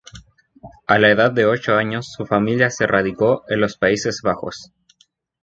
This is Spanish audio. A la edad de ocho años su familia se radicó en los Países Bajos.